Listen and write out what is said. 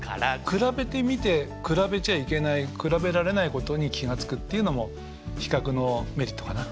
比べてみて比べちゃいけない比べられないことに気が付くっていうのも比較のメリットかな。